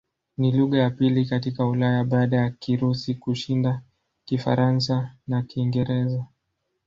Ni lugha ya pili katika Ulaya baada ya Kirusi kushinda Kifaransa na Kiingereza.